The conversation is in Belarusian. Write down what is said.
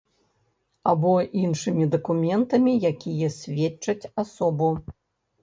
Або іншымі дакументамі, якія сведчаць асобу.